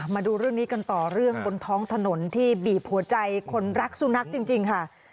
มาดูเรื่องนี้กันต่อเรื่องบนท้องถนนที่บีบหัวใจคนรักสุนัขจริงค่ะ